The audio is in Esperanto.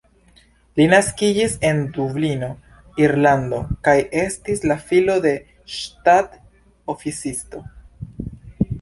Li naskiĝis en Dublino, Irlando kaj estis la filo de ŝtat-oficisto.